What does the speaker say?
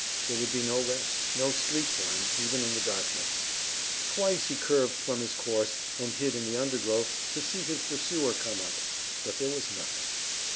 There would be no rest, no sleep for him, even in the darkness. Twice he curved from his course and hid in the undergrowth to see his pursuer come up, but there was nothing.